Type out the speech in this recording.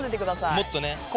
もっとね。